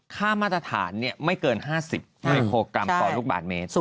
ค่ามาตรฐานไม่เกิน๕๐มิโครกรัมต่อลูกบาทเมตร